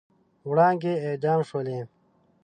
وړانګې اعدام شولې